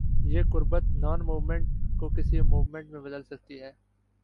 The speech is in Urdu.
یہ قربت نان موومنٹ کو کسی موومنٹ میں بدل سکتی ہے۔